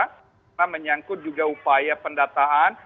karena menyangkut juga upaya pendataan